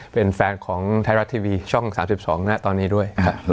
เป็นแฟนของไทยรัฐทีวีช่อง๓๒นะตอนนี้ด้วย